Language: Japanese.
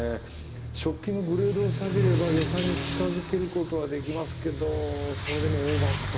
食器のグレードを下げれば予算に近づけることはできますけどそれでもオーバーかと。